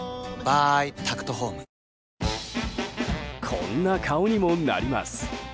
こんな顔にもなります。